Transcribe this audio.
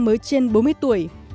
việt nam mới trên bốn mươi tuổi